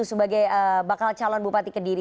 sebagai bakal calon bupati kediri